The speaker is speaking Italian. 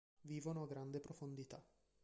Vivono a grande profondità.